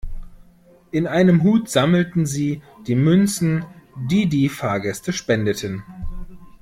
In einem Hut sammelten Sie die Münzen, die die Fahrgäste spendeten.